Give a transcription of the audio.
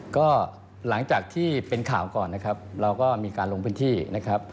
ก็หลังจากที่เป็นข่าวก่อนนะครับเราก็มีการลงพื้นที่นะครับ